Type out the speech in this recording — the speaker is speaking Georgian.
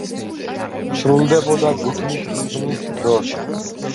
სრულდებოდა გუთნით ხვნის დროს.